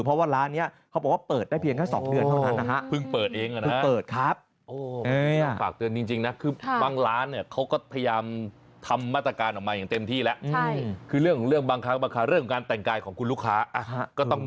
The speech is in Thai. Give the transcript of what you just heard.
เพราะว่าร้านนี้เขาบอกว่าเปิดได้เพียงแค่๒เดือนเท่านั้นนะฮะ